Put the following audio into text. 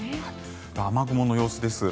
雨雲の様子です。